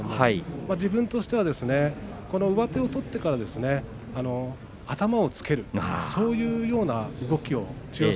自分としては上手を取ってから頭をつけるそういうような動きを千代翔